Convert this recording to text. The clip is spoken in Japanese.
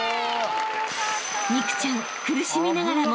［美空ちゃん苦しみながらも］